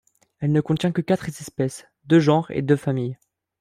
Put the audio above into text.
Elle ne contient que quatre espèces, deux genres et deux familles.